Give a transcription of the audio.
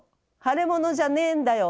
腫れ物じゃねえんだよ。